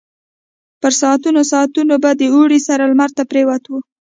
په ساعتونو ساعتونو به د اوړي سره لمر ته پروت و.